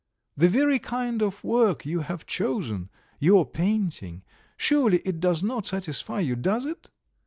The very kind of work you have chosen your painting surely it does not satisfy you, does it?"